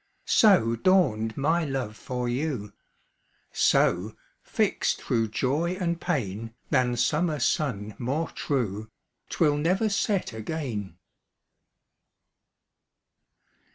So dawned my love for you; So, fixt thro' joy and pain, Than summer sun more true, 'Twill never set again.